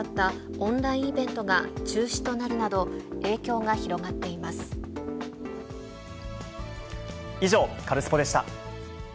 オンラインイベントが中止となるなど、以上、カルスポっ！でした。